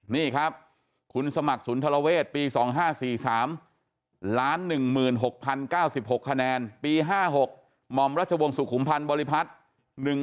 นี่ครับคุณสมัครศูนย์ธรเวศปี๒๕๔๓ล้าน๑๖๐๙๖คะแนนปี๕๖หม่อมรัชวงศ์สุขุมภัณฑ์บริพัฒน์